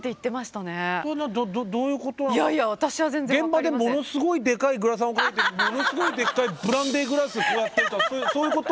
現場でものすごいでかいグラサンをかけてものすごいでっかいブランデーグラスこうやってとかそういうこと？